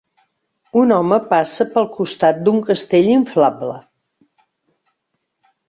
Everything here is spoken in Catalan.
Un home passa pel costat d'un castell inflable.